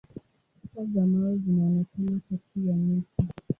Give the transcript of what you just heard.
Kuta za mawe zinaonekana kati ya miti.